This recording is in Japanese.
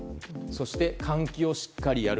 そして、換気をしっかりやる。